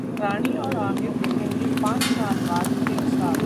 रानी और आमिर दिखेंगे पांच साल बाद एक साथ